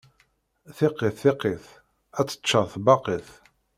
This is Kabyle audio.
Tiqqit, tiqqit, ad teččaṛ tbaqit.